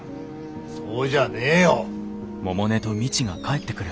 そうじゃねえよ。